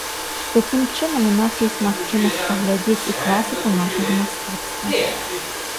Такім чынам у нас ёсць магчымасць паглядзець і класіку нашага мастацтва.